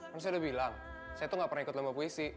kan saya udah bilang saya tuh gak pernah ikut lomba puisi